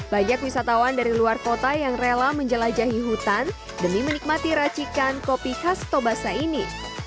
banyak wisatawan dari luar kota yang rela menjelajahi hutan demi menikmati racikan kopi khas tobasa ini